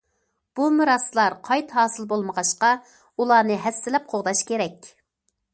بۇ مىراسلار قايتا ھاسىل بولمىغاچقا، ئۇلارنى ھەسسىلەپ قوغداش كېرەك.